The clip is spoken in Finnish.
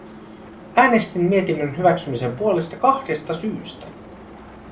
Äänestin mietinnön hyväksymisen puolesta kahdesta syystä.